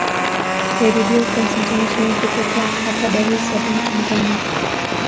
ya redio france international kutoka hapa dar es salam tanzania